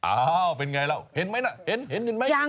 อ้าวเป็นไงแล้วเห็นไม่นะเห็นยังไม่เห็น